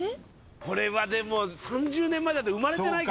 これはでも３０年前だと生まれてないからね。